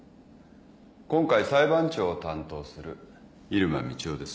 今回裁判長を担当する入間みちおです。